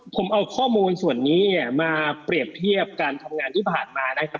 ผมเอาข้อมูลส่วนนี้เนี่ยมาเปรียบเทียบการทำงานที่ผ่านมานะครับ